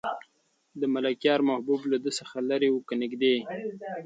د ملکیار محبوب له ده څخه لرې و که نږدې؟